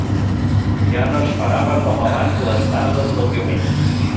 Ja no esperava com abans les tardes del diumenge